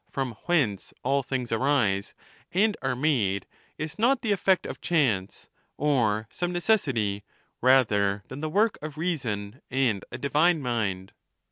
from whence all things arise and are made, is not the ef fect of chance, oi some necessity, rather than the work of reason and a divine mind.